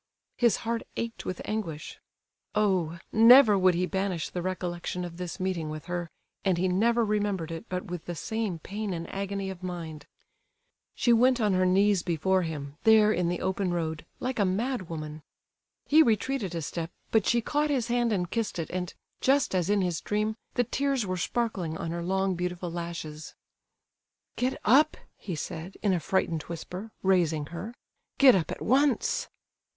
His heart ached with anguish. Oh! never would he banish the recollection of this meeting with her, and he never remembered it but with the same pain and agony of mind. She went on her knees before him—there in the open road—like a madwoman. He retreated a step, but she caught his hand and kissed it, and, just as in his dream, the tears were sparkling on her long, beautiful lashes. "Get up!" he said, in a frightened whisper, raising her. "Get up at once!"